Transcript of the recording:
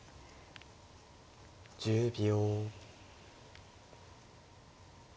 １０秒。